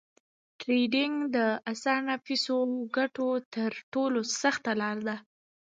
ټریډینګ د اسانه فیسو ګټلو تر ټولو سخته لار ده